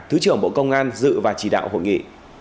thứ trưởng bộ công an dự và chỉ đạo hội nghị